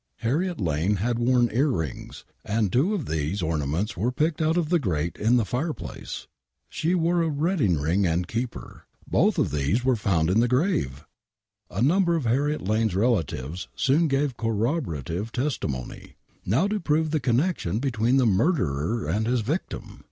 Harriet Lane had worn earrings, and two of these ornaments were picked out of the grate in the fire place. She wore a wedding ring and keeper ! Both these were found in the grave ! I '♦■"!■•♦■ v; :■■■ 4 i* %<;^ WAINWRIGHT MURDER ♦•:■■♦ V ^/•«< "l A niimber of Harriet Lane's relatives soon gave corroborative testimony. Now to prove the connection between the murderer and his victim